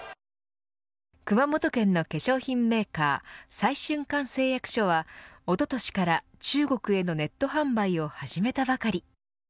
熊本県の化粧品メーカー再春館製薬所は、おととしから中国へのネット販売を始めたばかり。